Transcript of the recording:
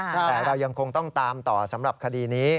แต่เรายังคงต้องตามต่อสำหรับคดีนี้